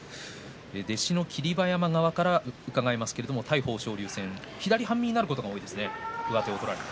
弟子の霧馬山側から伺いますけれども豊昇龍戦、半身になることが多いですね、上手を取られて。